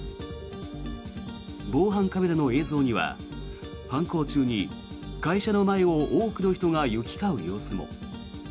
防犯カメラの映像には犯行中に会社の前を多くの人が行き交う様子も。